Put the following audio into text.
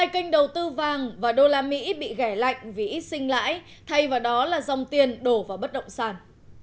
hai kênh đầu tư vàng và đô la mỹ bị ghé lạnh vì ít sinh lãi thay vào đó là dòng tiền đổ vào bất động sản